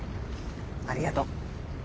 ありがと。